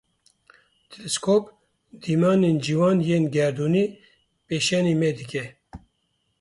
Tilskop dîmanên ciwan yên gerdûnî pêşanî me dide